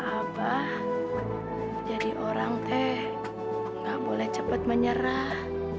abah jadi orang teh nggak boleh cepet menyerah